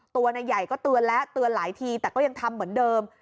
ตัวนายใหญ่ก็เตือนแล้วเตือนหลายทีแต่ก็ยังทำเหมือนเดิม